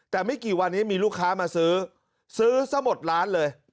แต่ไม่กี่วันนี้มีลูกค้ามาซื้อซื้อซะหมดร้านเลย